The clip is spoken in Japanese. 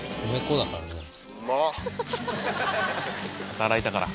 「働いたから」